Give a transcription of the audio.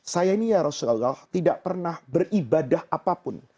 saya ini ya rasulullah tidak pernah beribadah apapun